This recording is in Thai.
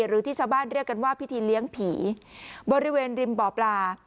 หรือที่ชาวบ้านเรียกกันว่าพิธีเลี้ยงผีบริเวณริมบ่อปลา